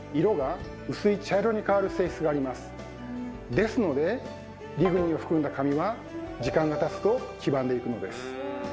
ですのでリグニンを含んだ紙は時間がたつと黄ばんでいくのです。